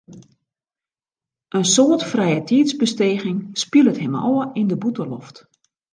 In soad frijetiidsbesteging spilet him ôf yn de bûtenloft.